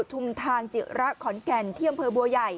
ทุมทางเจี๋ยระขอนแก่นเที่ยมเพอบัวใหญ่